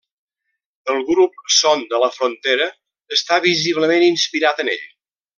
El grup Son de la Frontera està visiblement inspirat en ell.